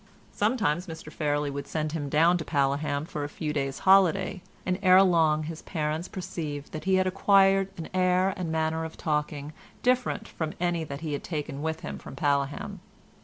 Sometimes Mr Fairlie would send him down to Paleham for a few days' holiday, and ere long his parents perceived that he had acquired an air and manner of talking different from any that he had taken with him from Paleham.